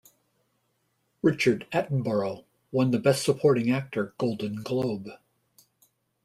Richard Attenborough won the best supporting actor Golden Globe.